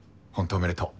おめでとう！